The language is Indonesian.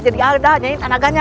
jadi ada nyai